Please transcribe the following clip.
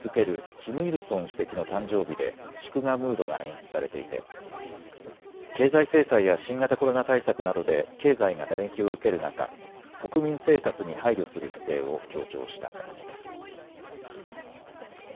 キム・イルソン主席の誕生日で祝賀ムードが演出されていて経済制裁や新型コロナ対策などで経済が打撃を受ける中、国民生活に配慮する姿勢を強調した形です。